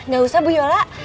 gak usah bu yola